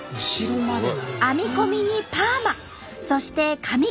編み込みにパーマそして髪飾り。